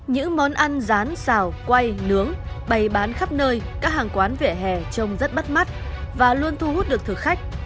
những món ăn rán xào quay nướng bày bán khắp nơi các hàng quán vỉa hè trông rất bắt mắt và luôn thu hút được thực khách